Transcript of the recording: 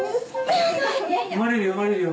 産まれるよ産まれるよ。